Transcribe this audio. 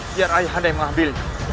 biar ayah anda yang mengambil